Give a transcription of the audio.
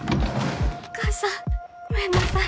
お母さんごめんなさい。